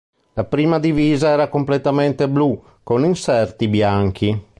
La prima divisa era completamente blu, con inserti bianchi.